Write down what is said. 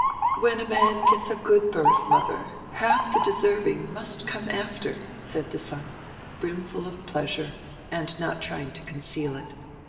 "When a man gets a good berth, mother, half the deserving must come after," said the son, brimful of pleasure, and not trying to conceal it.